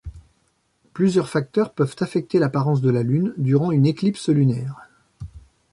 Plusieurs facteurs peuvent affecter l'apparence de la Lune durant une éclipse lunaire.